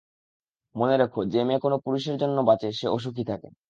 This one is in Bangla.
মনে রেখ, যে মেয়ে কোন পুরুষের জন্য বাঁচে, সে অসুখী থাকে।